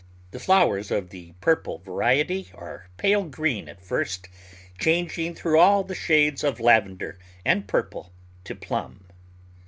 The flowers of the purple variety are pale green at first, changing through all the shades of lavender and purple to plum.